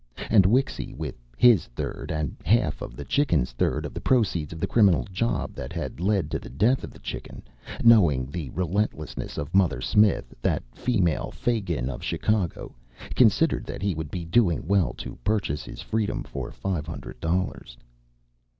And Wixy, with his third, and half of the Chicken's third, of the proceeds of the criminal job that had led to the death of the Chicken, knowing the relentlessness of Mother Smith, that female Fagin of Chicago, considered that he would be doing well to purchase his freedom for five hundred dollars.